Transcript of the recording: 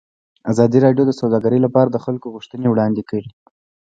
ازادي راډیو د سوداګري لپاره د خلکو غوښتنې وړاندې کړي.